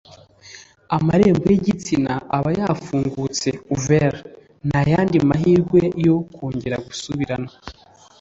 Amarembo y’igitsina aba yafungutse(Ouvert) ntayandi mahirwe yo kongera gusubirana